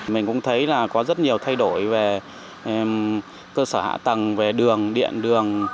mình cũng thấy là có rất nhiều thay đổi về cơ sở hạ tầng về đường điện đường